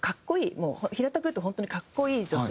もう平たく言うと本当に格好いい女性像。